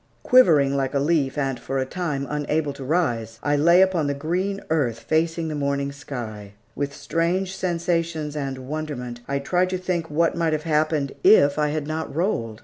Quivering like a leaf and for a time unable to rise, I lay upon the green earth facing the morning sky. With strange sensations and wonderment, I tried to think what might have happened, if I had not rolled.